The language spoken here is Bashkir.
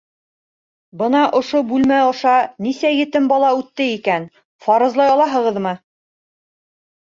-Бына ошо бүлмә аша нисә етем бала үтте икән, фаразлай алаһығыҙмы?